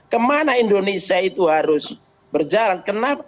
kemana indonesia itu harus berjalan kenapa